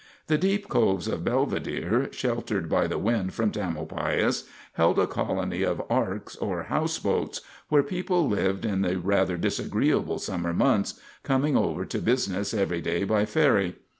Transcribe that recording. The deep coves of Belvidere, sheltered by the wind from Tamalpais, held a colony of "arks" or houseboats, where people lived in the rather disagreeable summer months, coming over to business every day by ferry.